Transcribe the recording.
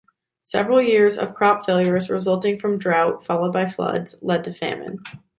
Several years of crop failures, resulting from drought followed by floods, led to famine.